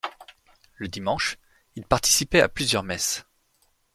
Le dimanche, il participait à plusieurs messes.